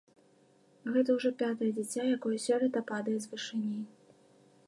Гэта ўжо пятае дзіця, якое сёлета падае з вышыні.